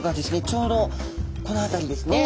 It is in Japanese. ちょうどこのあたりですね。